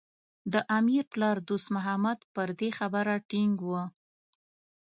د امیر پلار دوست محمد پر دې خبره ټینګ و.